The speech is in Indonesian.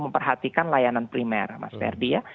memperhatikan layanan primer mas ferdi ya